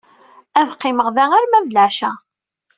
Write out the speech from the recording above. Ad qqimeɣ da arma d lɛecṛa.